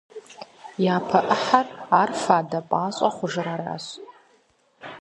Япэ ӏыхьэр, ар «фадэ пӀащӀэ» хъужыр аращ.